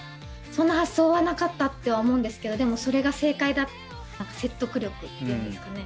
そんな発想はなかったって思うんですけどでもそれが正解だって言ってくれるような説得力っていうんですかね。